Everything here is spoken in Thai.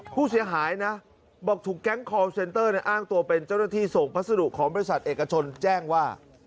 ผู้เสียหายนะบอกถูกแก๊งคอลเซนเตอร์อ้างตัวเป็นเจ้าหน้าที่ส่งพัสดุของบริษัทเอกชนแจ้งว่า